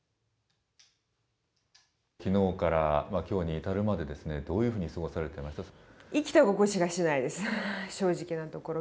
きのうからきょうに至るまで、どういうふうに過ごされてました？